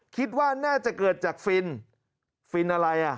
คิดว่าน่าจะเกิดจากฟินฟินอะไรอ่ะ